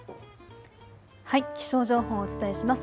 気象情報をお伝えします。